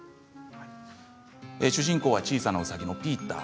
主人公は小さなうさぎのピーター。